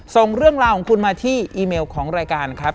ส่งเรื่องราวของคุณมาที่อีเมลของรายการครับ